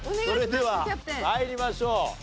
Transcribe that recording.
それでは参りましょう。